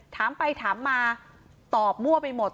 ถามไปถามมาตอบมั่วไปหมด